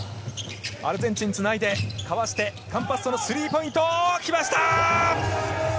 アルゼンチンつないで、かわして、カンパッソのスリーポイントきました。